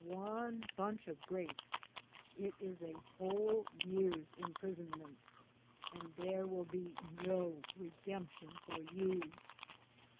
one bunche of grapes, it is a whole yeares impresonmente, and thare wilbe no redemption for yon.